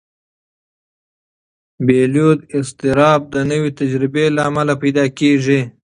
بېلېدو اضطراب د نوې تجربې له امله پیدا کېږي.